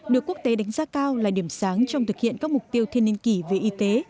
được quốc tế đánh giá cao là điểm sáng trong thực hiện các mục tiêu thiên niên kỷ về y tế